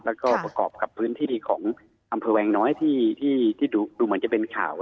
แล้วก็ประกอบกับพื้นที่ของอำเภอแวงน้อยที่ดูเหมือนจะเป็นข่าว